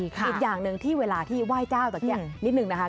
อีกอย่างหนึ่งที่เวลาที่ไหว้เจ้าตะเกียกนิดนึงนะคะ